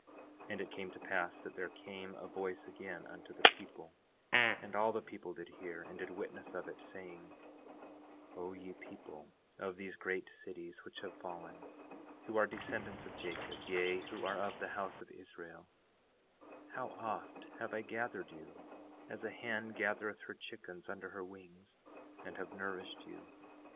10:3 And it came to pass that there came a voice again unto the people, and all the people did hear, and did witness of it, saying: 10:4 O ye people of these great cities which have fallen, who are descendants of Jacob, yea, who are of the house of Israel, how oft have I gathered you as a hen gathereth her chickens under her wings, and have nourished you.